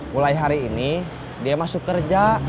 mulai hari ini dia masuk kerja